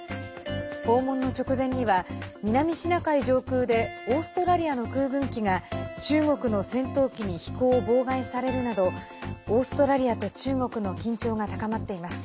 訪問の直前には南シナ海上空でオーストラリアの空軍機が中国の戦闘機に飛行を妨害されるなどオーストラリアと中国の緊張が高まっています。